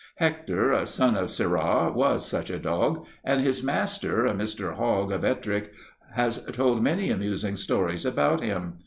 Hector, a son of Sirrah, was such a dog, and his master, a Mr. Hogg of Ettrick, has told many amusing stories about him.